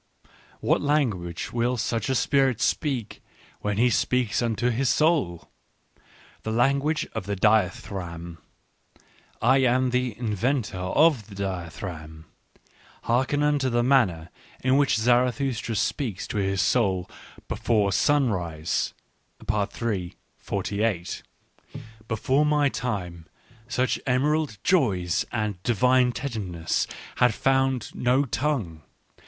What language will such a spirit speak, when he speaks unto his soul ? The language of the dithy ramb. I am the inventor of the dithyramb. Hearken unto the manner in which Zarathustra speaks to his soul Before Sunrise (iii. 48). Before Digitized by Google IIO ECCE HOMO my time such emerald joys and divine tenderness had found no tongue.